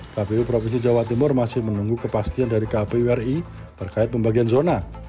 kpu provinsi jawa timur masih menunggu kepastian dari kpu ri terkait pembagian zona